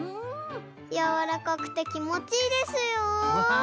やわらかくてきもちいいですよ。